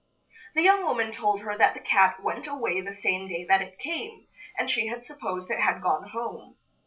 The young woman told her that the cat went away the same day that it came, and she had supposed it had gone home.